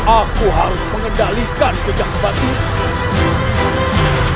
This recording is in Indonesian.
aku harus mengendalikan kejahatanmu